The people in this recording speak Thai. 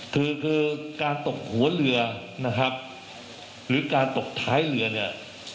คือคือการตกหัวเรือนะครับหรือการตกท้ายเรือเนี่ย